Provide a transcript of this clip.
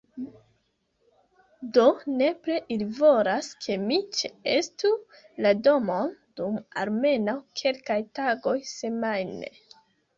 Do nepre ili volas ke mi ĉeestu la domon, dum almenaŭ kelkaj tagoj semajne